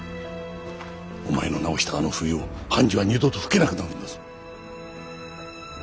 お前の直したあの笛を半次は二度と吹けなくなるんだぞ。